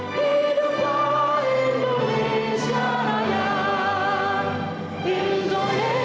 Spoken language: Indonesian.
hidupku indonesia raya